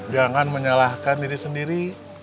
jangan menyalahkan diri sendiri